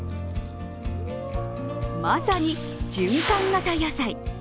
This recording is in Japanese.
まさに循環型野菜。